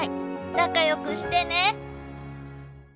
仲良くしてね。